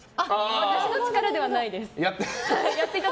私の力ではないです。